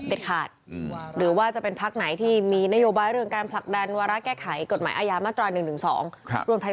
ขาดหรือว่าจะเป็นพักไหนที่มีนโยบายเรื่องการผลักดันวาระแก้ไขกฎหมายอาญามาตรา๑๑๒รวมไทย